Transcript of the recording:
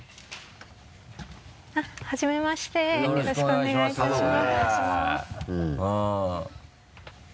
はじめましてよろしくお願いいたします。